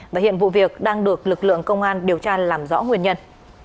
và hiện vụ việc đang được lực lượng công an điều tra làm rõ nguyên nhân